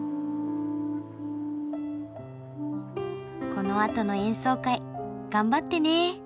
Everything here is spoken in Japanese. ・このあとの演奏会頑張ってね。